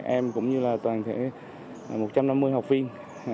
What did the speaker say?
em cũng như là toàn thể một trăm năm mươi học viên